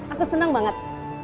aku senang banget